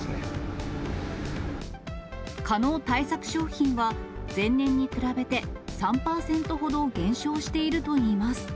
商品は、前年に比べて３％ほど減少しているといいます。